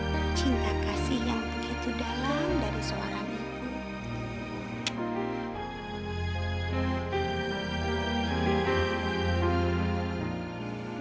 putri cinta kasih yang begitu dalam dari suara ibu